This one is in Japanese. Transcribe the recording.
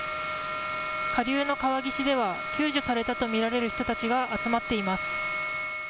下流の川岸では救助されたと見られる人たちが集まっています。